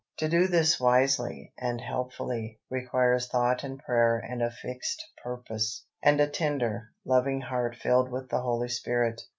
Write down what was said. To do this wisely and helpfully requires thought and prayer and a fixed purpose, and a tender, loving heart filled with the Holy Spirit.